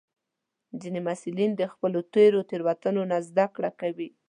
ځینې محصلین د خپلو تېرو تېروتنو نه زده کړه کوي.